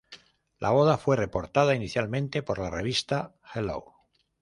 La boda fue reportada inicialmente por la revista "Hello!